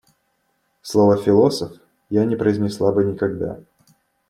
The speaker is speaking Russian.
Слово «философ» я не произнесла бы никогда.